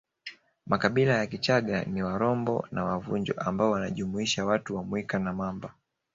Makabila ya Kichaga ni Warombo na Wavunjo ambao wanajumuisha watu wa Mwika na Mamba